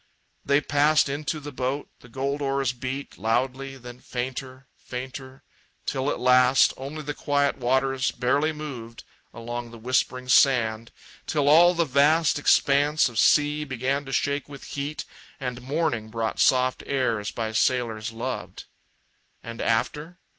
They passed into the boat. The gold oars beat Loudly, then fainter, fainter, till at last Only the quiet waters barely moved Along the whispering sand till all the vast Expanse of sea began to shake with heat, And morning brought soft airs, by sailors loved. And after?...